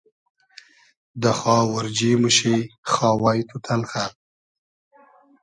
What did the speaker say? دۂ خاو اۉرجی موشی خاوای تو تئلخۂ